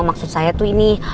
maksud saya tuh ini